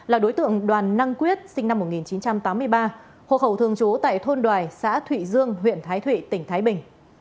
là đối tượng đoàn năng quyết sinh năm một nghìn chín trăm tám mươi ba hộ khẩu thường trú tại thôn đoài xã thụy dương huyện thái thụy tỉnh thái bình